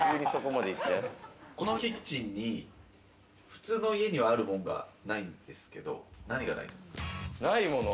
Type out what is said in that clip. このキッチンに普通の家にはあるものがないんですけれども、何がない？